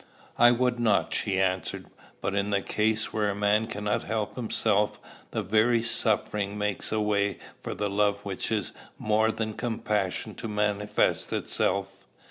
"I would not," she answered; "but in the case where a man cannot help himself, the very suffering makes a way for the love which is more than compassion to manifest itself.